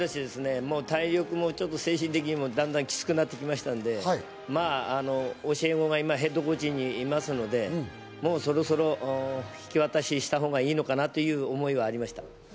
年齢も年齢ですし、体力も精神的にも段々キツくなってきましたので、教え子が今、ヘッドコーチにいますので、そろそろ引き渡しをしたほうがいいのかなという思いがありました。